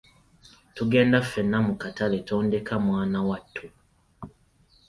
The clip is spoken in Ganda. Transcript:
Tugenda ffenna mu katale tondeka mwana wattu.